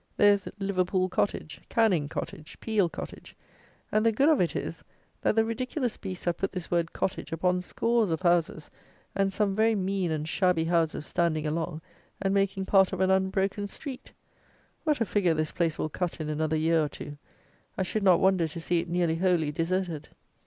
There is "Liverpool Cottage," "Canning Cottage," "Peel Cottage;" and the good of it is, that the ridiculous beasts have put this word cottage upon scores of houses, and some very mean and shabby houses, standing along, and making part of an unbroken street! What a figure this place will cut in another year or two! I should not wonder to see it nearly wholly deserted.